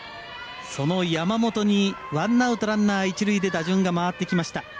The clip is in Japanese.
その山本にワンアウトランナー、一塁で打順が回ってきました。